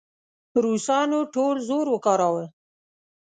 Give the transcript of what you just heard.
روسانو ټول زور وکاراوه.